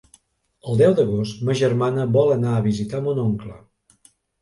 El deu d'agost ma germana vol anar a visitar mon oncle.